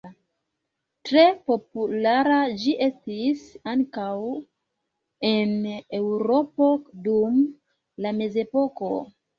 Tre populara ĝi estis ankaŭ en Eŭropo dum la mezepoko.